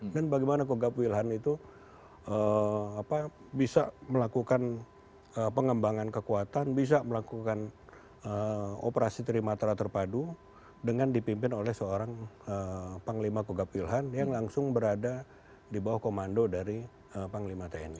dan bagaimana kogak wilhad itu bisa melakukan pengembangan kekuatan bisa melakukan operasi terima tarah terpadu dengan dipimpin oleh seorang panglima kogak wilhad yang langsung berada di bawah komando dari panglima tni